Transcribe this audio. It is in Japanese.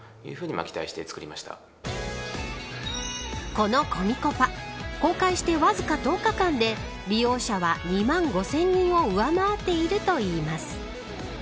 このコミコパ公開してわずか１０日間で利用者は２万５０００人を上回っているといいます。